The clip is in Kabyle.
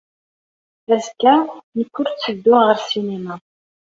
Azekka, nekk ur ttedduɣ ɣer ssinima.